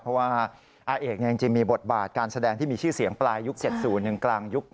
เพราะว่าอาเอกจริงมีบทบาทการแสดงที่มีชื่อเสียงปลายยุค๗๐๑กลางยุค๑